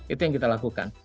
itu yang kita lakukan